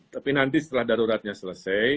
tapi nanti setelah daruratnya selesai